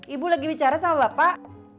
ibu lagi bicara sama bapak